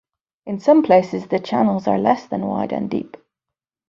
In some places the channels are less than wide and deep.